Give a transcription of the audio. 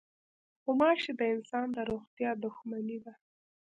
غوماشې د انسان د روغتیا دښمنې دي.